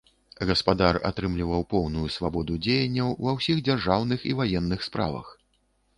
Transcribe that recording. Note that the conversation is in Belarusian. Гаспадар атрымліваў поўную свабоду дзеянняў ва ўсіх дзяржаўных і ваенных справах.